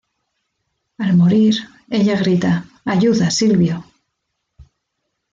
Al morir, ella grita: "¡Ayuda, Silvio!".